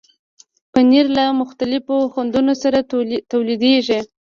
پنېر له مختلفو خوندونو سره تولیدېږي.